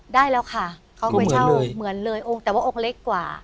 ได้แล้วค่ะเขาก็ไปเช่าเหมือนเลยองค์แต่ว่าองค์เล็กกว่า